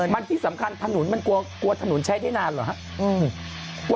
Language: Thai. มันที่สำคัญถนนมันกลัวถนนใช้ได้นานเหรอครับ